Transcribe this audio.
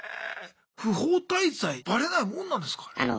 不法滞在バレないもんなんですかあれ。